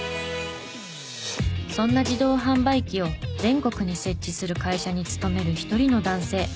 そんな自動販売機を全国に設置する会社に勤める一人の男性。